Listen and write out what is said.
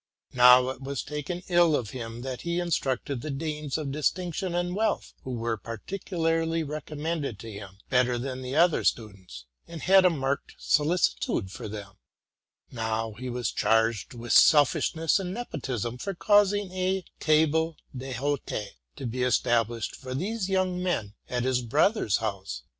Now it was taken ill of him that he instructed the Danes of distinction and wealth, who were particularly recommended to him, better than the other students, and had a marked solicitude for them; now he was charged with selfishness and nepotism for causing a table d'hote to be established for these young men at his brother's house.